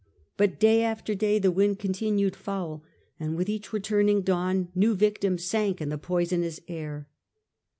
But day after day the wind continued foul, and with each returning dawn new victims sank in the poisonous air.